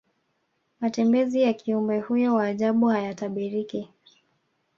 matembezi ya kiumbe huyo wa ajabu hayatabiriki